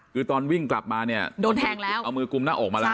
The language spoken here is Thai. คือตอนวิ่งกลับมาเนี่ยโดนแทงแล้วเอามือกุมหน้าอกมาแล้ว